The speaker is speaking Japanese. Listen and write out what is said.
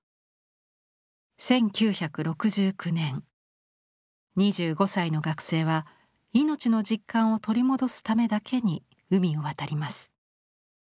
１９６９年２５歳の学生は命の実感を取り戻すためだけに海を渡ります。